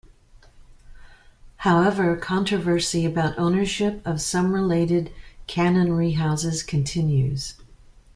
However, controversy about ownership of some related canonry houses continues.